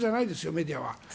メディアは。